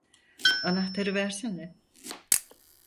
Anahtarı versene!